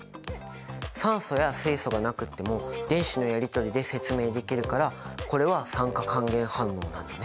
酸素や水素がなくっても電子のやりとりで説明できるからこれは酸化還元反応なんだね。